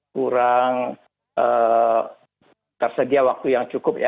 kurang tersedia waktu yang cukup ya